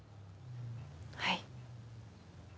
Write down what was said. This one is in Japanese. はい。